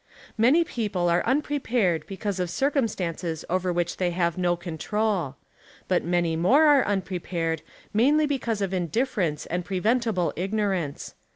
5 Many people arc unprepared because of circumstances over wliich thej' have no control. But many more arc unprepared mainly because of indifference and preventable ignorance.